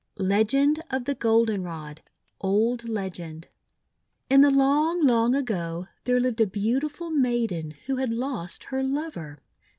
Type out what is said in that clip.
LEGEND OF THE GOLDENROD Old Legend IN the long, long ago, there lived a beautiful maiden who had lost her lover.